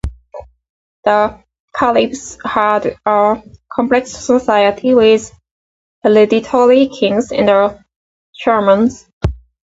The Caribs had a complex society, with hereditary kings and shamans.